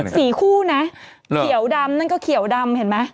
สีคู่นะเขียวดำนั่นก็เขียวดำเห็นไหม